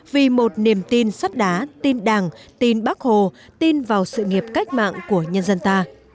vì một niềm tin sắt đá tin đảng tin bắc hồ tin vào sự nghiệp cách mạng của nhân dân ta